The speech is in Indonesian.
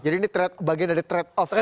jadi ini bagian dari trade off selama